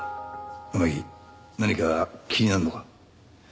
天樹何か気になるのか？